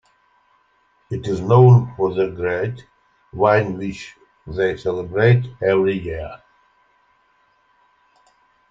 It is known for the great wine which they celebrate every year.